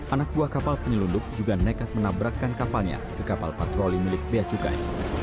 anak buah kapal penyelundup juga nekat menabrakkan kapalnya ke kapal patroli milik beacukai